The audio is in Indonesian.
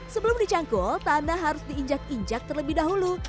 sebelum dicangkul tanah harus diinjak injak terlebih dahulu